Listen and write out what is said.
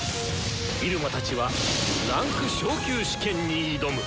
入間たちは位階昇級試験に挑む！